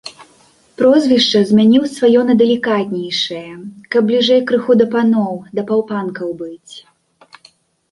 Прозвішча змяніў сваё на далікатнейшае, каб бліжэй крыху да паноў, да паўпанкаў быць.